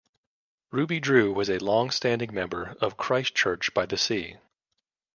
Ruby Drew was a long-standing member of Christ Church by the Sea.